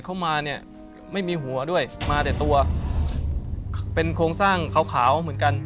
เข้ามาเนี่ยไม่มีหัวด้วยมาแต่ตัวเป็นโครงสร้างขาวเหมือนกัน